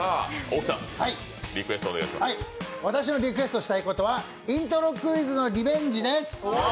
私のリクエストしたいことはイントロクイズのリベンジです。